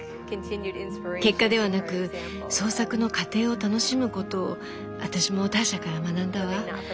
結果ではなく創作の過程を楽しむことを私もターシャから学んだわ。